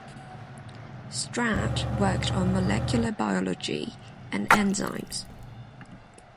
Straat worked on molecular biology and enzymes.